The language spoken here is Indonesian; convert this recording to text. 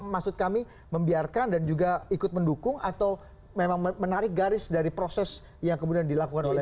maksud kami membiarkan dan juga ikut mendukung atau memang menarik garis dari proses yang kemudian dilakukan oleh